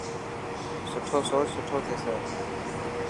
سٺو سوچ سٺو ٿيسي.